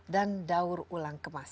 dan daur ulang